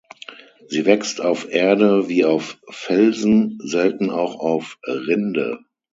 Sie wächst auf Erde wie auf Felsen, selten auch auf Rinde.